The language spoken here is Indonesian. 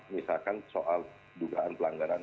misalkan soal dugaan pelanggaran